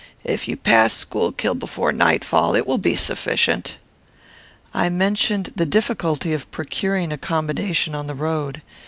If you pass Schuylkill before nightfall, it will be sufficient." I mentioned the difficulty of procuring accommodation on the road.